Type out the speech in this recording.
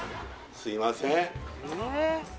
すいません